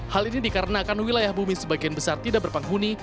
hal ini dikarenakan wilayah bumi sebagian besar tidak berpenghuni